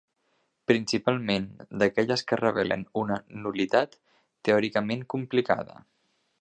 Principalment d'aquelles que revelen una nul·litat teòricament complicada.